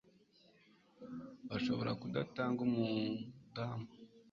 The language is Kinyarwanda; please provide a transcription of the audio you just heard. bashobora Kudatanga umudamu